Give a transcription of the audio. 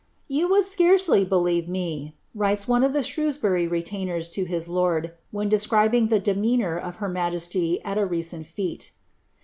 "Tou would scarcely believe we." writes one of the Shrewsbury retainers lo his lord, when dtscribini iHn demeanour of her majesty al a reeeni fEie.